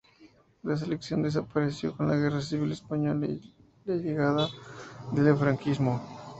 La selección desapareció con la Guerra Civil española y la llegada del franquismo.